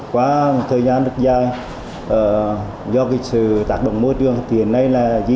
quá một thời gian rất dài do sự tác động môi trường thì hiện nay di tích này